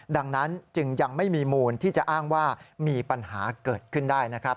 ดังนั้นจึงยังไม่มีมูลที่จะอ้างว่ามีปัญหาเกิดขึ้นได้นะครับ